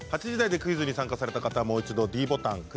８時台でクイズに参加した方はもう一度ｄボタン。